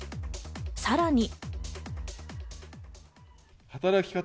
さらに。